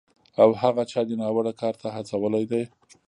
او هغه چا دې ناوړه کار ته هڅولی دی